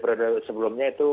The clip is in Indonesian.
periode periode sebelumnya itu